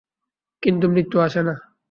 কিন্তু, মৃত্যু আসে না।